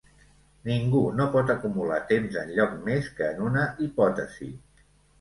Ningú no pot acumular temps enlloc més que en una hipòtesi.